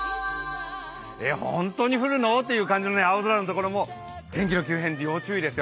本当に降るのというくらいの青空のところも天気の急変に要注意ですよ。